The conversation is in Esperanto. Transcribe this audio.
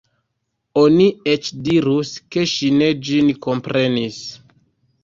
Oni eĉ dirus, ke ŝi ne ĝin komprenis.